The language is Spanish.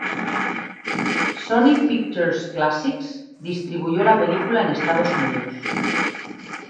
Sony Pictures Classics distribuyó la película en Estados Unidos.